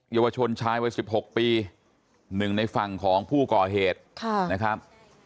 เยาวชนชายวัย๑๖ปี๑ในฝั่งของผู้ก่อเหตุนะครับ